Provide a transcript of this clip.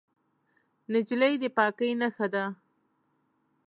نجلۍ د پاکۍ نښه ده.